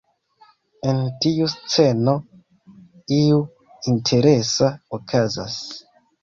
En tiu sceno, iu interesa okazas.